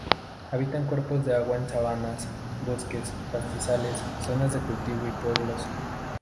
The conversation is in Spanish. Habita en cuerpos de agua en sabanas, bosques, pastizales, zonas de cultivo y pueblos.